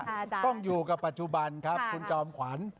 อาจารย์ต้องอยู่กับปัจจุบันครับคุณจอมขวัญ